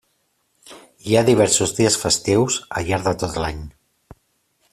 Hi ha diversos dies festius al llarg de tot l'any.